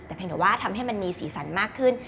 แต่เพียงแต่ว่าทำให้มันมีสีสันมากขึ้น